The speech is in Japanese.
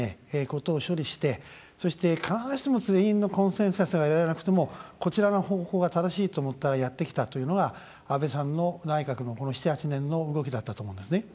事を処理してそして、必ずしも全員のコンセンサスが得られなくてもこちらの方法が正しいと思ったらやってきたというのが安倍さんの内閣のこの７８年の動きだったと思うんですね。